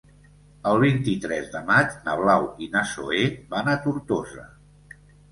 El vint-i-tres de maig na Blau i na Zoè van a Tortosa.